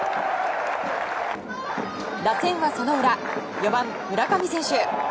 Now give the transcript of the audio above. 打線はその裏４番、村上選手。